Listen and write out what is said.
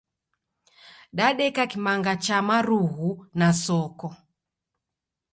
Dadeka kimanga cha marughu na soko.